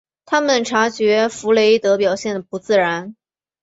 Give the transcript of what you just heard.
他们察觉弗雷德表现不自然。